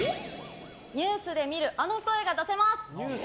ニュースで見るあの声が出せます！